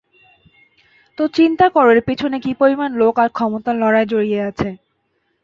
তো চিন্তা করো এর পেছনে কী পরিমাণ লোক আর ক্ষমতার লড়াই জড়িত আছে!